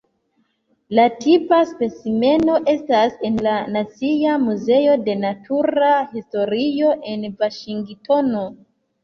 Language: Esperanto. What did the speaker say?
La tipa specimeno estas en la Nacia Muzeo de Natura Historio en Vaŝingtono.